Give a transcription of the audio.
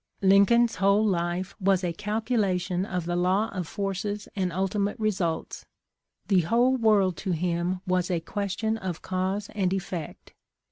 " Lincoln's whole life was a calculation of the law of forces and ultimate results. The whole world to him was a question of cause and effect.